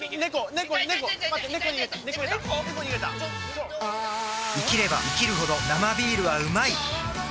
ネコ逃げた生きれば生きるほど「生ビール」はうまい！